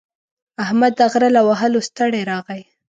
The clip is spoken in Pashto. احمد د غره له وهلو ستړی راغی.